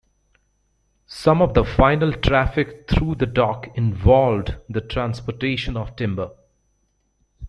Some of the final traffic through the dock involved the transportation of timber.